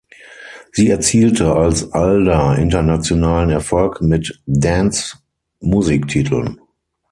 Sie erzielte als Alda internationalen Erfolg mit Dance-Musiktiteln.